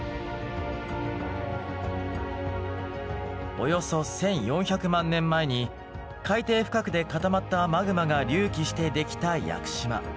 およそ１，４００万年前に海底深くで固まったマグマが隆起してできた屋久島。